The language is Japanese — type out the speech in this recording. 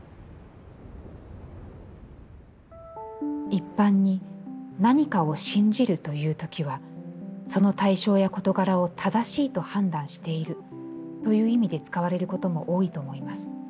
「一般に、何かを『信じる』と言うときは、その対象や事柄を『正しい』と判断しているという意味で使われることも多いと思います。